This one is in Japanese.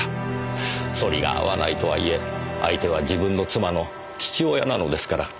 反りが合わないとはいえ相手は自分の妻の父親なのですから。